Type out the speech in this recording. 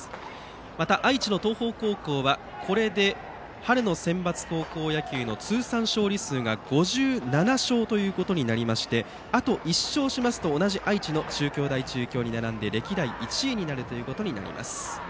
また、愛知の東邦高校はこれで春のセンバツ高校野球の通算勝利数が５７勝となりましてあと１勝すると同じ愛知の中京大中京に並んで歴代１位になるということになります。